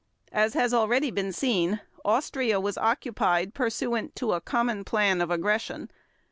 As has already been seen, Austria was occupied pursuant to a common plan of aggression.